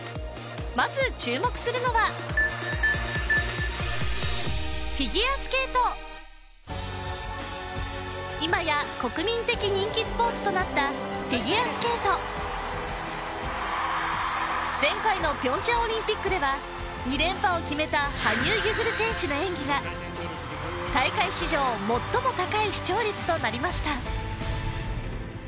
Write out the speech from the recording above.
まず注目するのは今や国民的人気スポーツとなったフィギュアスケート前回の平昌オリンピックでは２連覇を決めた羽生結弦選手の演技が大会史上最も高い視聴率となりました